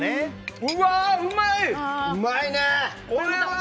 うわー、うまい！